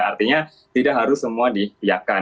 artinya tidak harus semua diiakan